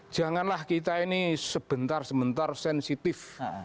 janganlah kita ini sebentar sebentar sensitif